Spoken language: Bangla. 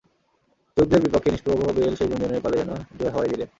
জুভদের বিপক্ষে নিষ্প্রভ বেল সেই গুঞ্জনের পালে যেন জোর হাওয়াই দিলেন।